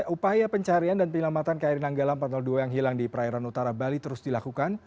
upaya pencarian dan penyelamatan kri nanggalam empat ratus dua yang hilang di perairan utara bali terus dilakukan